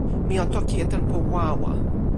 mi o toki e tenpo wawa.